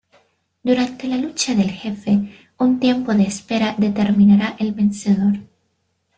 Durante la lucha del jefe, un tiempo de espera determinará el vencedor.